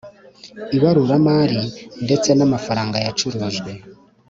ibarurmari ndetse n amafaranga yacurujwe